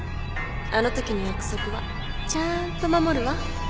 あのときの約束はちゃんと守るわ。